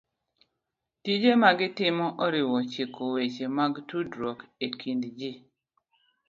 Tije ma gitimo oriwo chiko weche mag tudruok e kind ji.